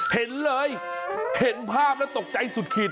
เห็นเลยเห็นภาพแล้วตกใจสุดขีด